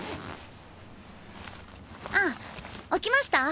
あ起きました？